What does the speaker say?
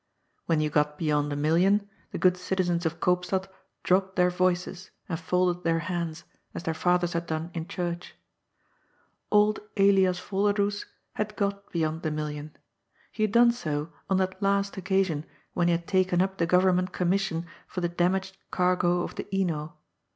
When you got beyond a million, the good citizens of Koopstad dropped their voices and folded their hands, as their fathers had done in church. Old Elias Volderdoes had got beyond the million. He had done so on that last occasion when he had taken up the Government commis sion for the damaged cargo of the Ino.